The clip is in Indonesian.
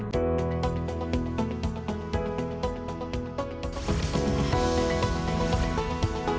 demikian dari saya